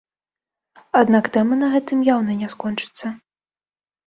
Аднак тэма на гэтым яўна не скончыцца.